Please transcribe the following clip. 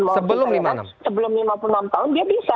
sebelum lima puluh enam tahun dia bisa